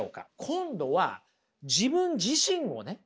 今度は自分自身をね